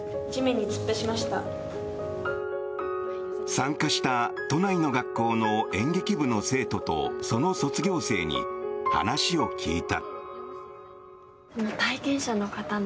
参加した都内の学校の演劇部の生徒とその卒業生に話を聞いた。